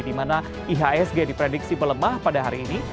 di mana ihsg diprediksi melemah pada hari ini